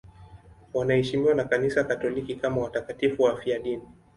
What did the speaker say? Wanaheshimiwa na Kanisa Katoliki kama watakatifu wafiadini.